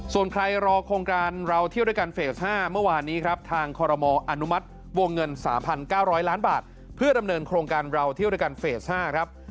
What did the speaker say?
ส่วนใครรอโครงการเราเที่ยวด้วยกันเฟส๕เมื่อวานนี้ครับทางคอรมออนุมัติวงเงิน๓๙๐๐ล้านบาทเพื่อดำเนินโครงการเราเที่ยวด้วยกันเฟส๕ครับ